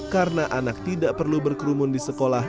karena anak tidak perlu berkerumun di sekolah